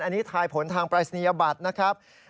อันนี้ทายผลทางปรายศนียบัตรนะครับ